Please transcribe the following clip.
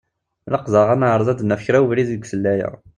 Ilaq daɣ ad neεreḍ ad d-naf kra ubrid deg uslellay-a.